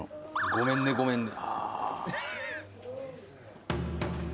ごめんねごめんね。